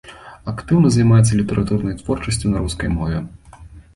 Актыўна займаецца літаратурнай творчасцю на рускай мове.